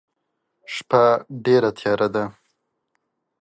شپه ډيره تیاره ده.